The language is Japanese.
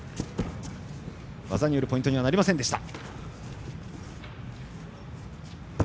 技によるポイントにはなりませんでした。